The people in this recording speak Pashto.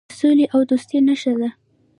د سولې او دوستۍ نښه ده.